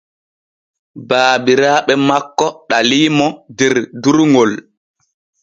Banniraaɓe makko ɗaliimo der durŋol.